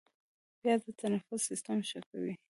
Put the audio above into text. پیاز د تنفس سیستم ښه کوي